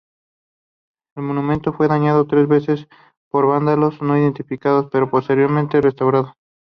El monumento fue dañado tres veces por vándalos no identificados, pero posteriormente restaurado.